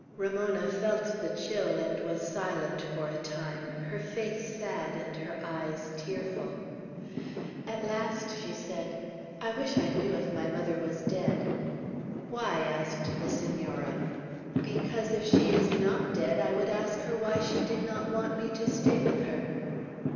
Ramona felt the chill, and was silent for a time, her face sad, and her eyes tearful. At last she said, "I wish I knew if my mother was dead." "Why?" asked the Senora. "Because if she is not dead I would ask her why she did not want me to stay with her."